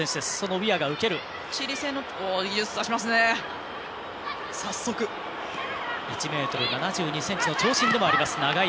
ウィア１ｍ７２ｃｍの長身でもあります。